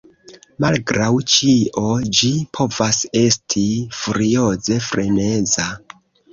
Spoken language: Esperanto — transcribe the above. Malgraŭ ĉio ĝi povas esti furioze freneza.